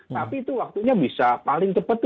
tapi itu waktunya bisa paling cepat